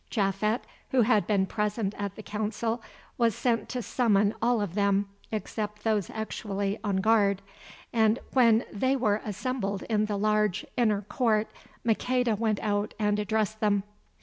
Japhet, who had been present at the council, was sent to summon all of them except those actually on guard, and when they were assembled in the large inner court Maqueda went out and addressed them.